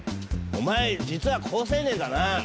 お前実は好青年だな。